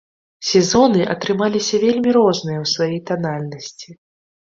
Сезоны атрымаліся вельмі розныя ў сваёй танальнасці.